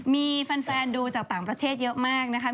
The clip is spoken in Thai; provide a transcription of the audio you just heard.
มีแฟนดูจากต่างประเทศเยอะมากนะคะ